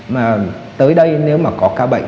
mà tới đây nếu mà có ca bệnh